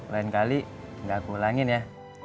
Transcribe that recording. lain kali nggak aku ulangin ya